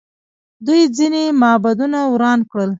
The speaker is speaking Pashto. دوی ځینې معبدونه وران کړل